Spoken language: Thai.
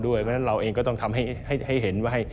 เพราะฉะนั้นเราเองก็ต้องทำให้เห็นว่า